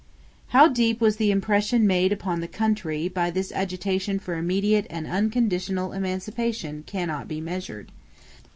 How deep was the impression made upon the country by this agitation for immediate and unconditional emancipation cannot be measured.